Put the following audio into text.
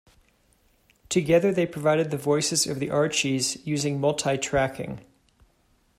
Together they provided the voices of the Archies using multitracking.